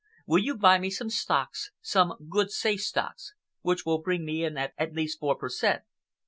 Will you buy me some stocks,—some good safe stocks, which will bring me in at least four per cent?"